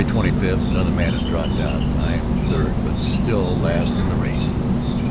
25: Another man has dropped out, I am third but still last in the race.